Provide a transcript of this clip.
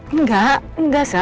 enggak enggak sa